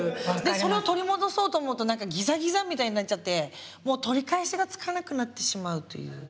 それを取り戻そうと思うとなんかギザギザみたいになっちゃってもう取り返しがつかなくなってしまうという。